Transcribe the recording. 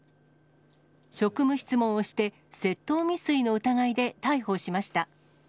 職務質問をして、窃盗未遂の疑いで逮捕しました。